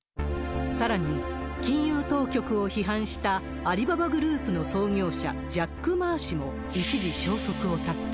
さらに、金融当局を批判したアリババグループの創業者、ジャック・マー氏も一時、消息を絶った。